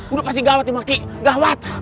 udah pasti gawat ibu ki gawat